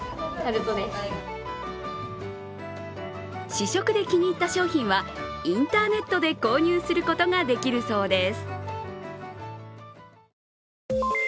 試食で気に入った商品はインターネットで購入することができるそうです。